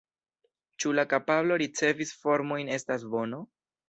Ĉu la kapablo ricevi “formojn” estas bono?